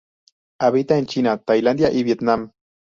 Habita en China, Tailandia y Vietnam.